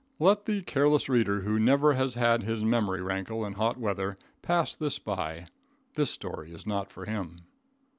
Let the careless reader who never had his memory rankle in hot weather, pass this by. This story is not for him.